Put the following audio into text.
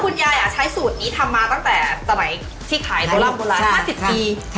คุณใยใช้สูตรนี้ทำมาตั้งแต่สมัยที่ขายโบราณ๕๐ปี